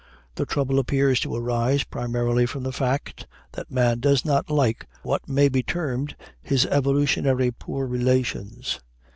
The trouble appears to arise primarily from the fact that man does not like what may be termed his evolutionary poor relations.